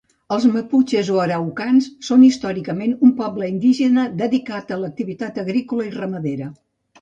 Els maputxes o araucans són històricament un poble indígena dedicat a l'activitat agrícola i ramadera.